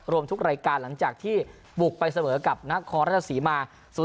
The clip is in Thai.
รวมทุกรายการหลังจากที่บุกไปเสมอกับนครราชศรีมา๐๔